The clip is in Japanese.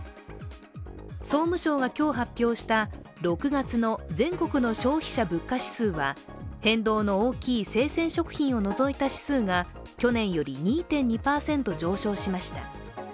総務省が今日発表した６月の全国の消費者物価指数は変動大きい生鮮食品を除いた指数が去年より２．２％上昇しました。